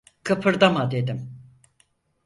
Kıpırdama dedim!